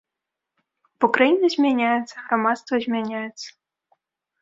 Бо краіна змяняецца, грамадства змяняецца.